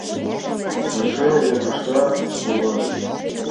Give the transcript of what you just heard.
— Эше йодышда уло?